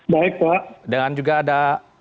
baik pak dan juga ada